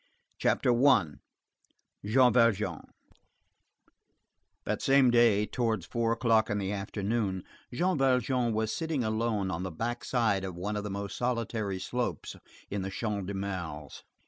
CHAPTER I—JEAN VALJEAN That same day, towards four o'clock in the afternoon, Jean Valjean was sitting alone on the back side of one of the most solitary slopes in the Champ de Mars.